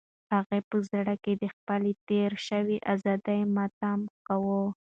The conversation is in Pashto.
هغې په زړه کې د خپلې تېرې شوې ازادۍ ماتم کاوه.